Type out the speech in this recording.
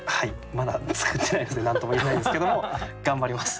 まだ作ってないので何とも言えないんですけども頑張ります。